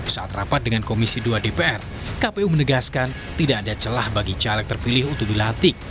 saat rapat dengan komisi dua dpr kpu menegaskan tidak ada celah bagi caleg terpilih untuk dilantik